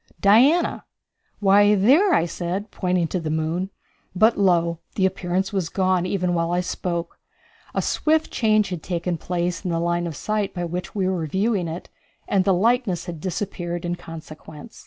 "Diana." "Why, there," I said, pointing to the moon. But lo! the appearance was gone even while I spoke. A swift change had taken place in the line of sight by which we were viewing it, and the likeness had disappeared in consequence.